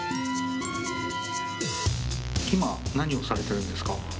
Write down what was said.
今何をされてるんですか？